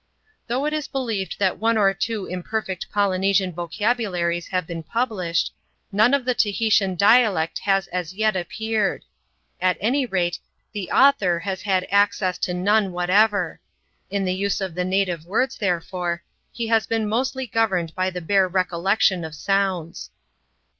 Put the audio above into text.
Although it is believed that one or two imperfect Polynesian vocabularies have been published, none of the Tahitian dialect has as yet appeared. At any rate, the author has had access to none whatever. In the use of the native words, therefore, he has been mostly governed by the bare recollection of sounds.